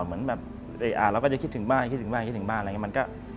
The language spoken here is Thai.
เหมือนเราก็จะคิดถึงบ้านคิดถึงบ้านคิดถึงบ้าน